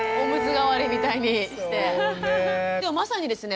でもまさにですね